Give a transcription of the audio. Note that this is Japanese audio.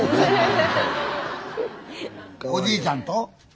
おじいちゃんと？